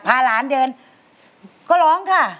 พาหลานเดินก็ร้องค่ะ